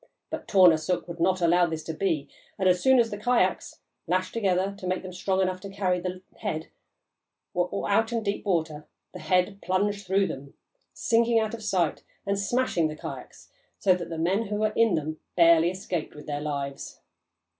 But Tornarsuk would not allow this to be, and as soon as the kayaks, lashed together to make them strong enough to carry the head, were out in deep water, the head plunged through them, sinking out of sight and smashing the kayaks so that the men who were in them barely escaped with their lives.